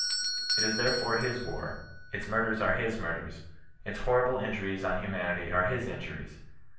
It is therefore his war, its murders are his murders, its horrible injuries on humanity are his inju ries.